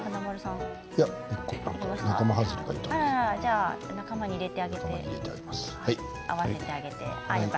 あららら仲間に入れてあげて。